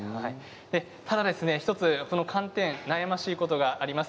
ただ１つこの寒天悩ましいことがあります。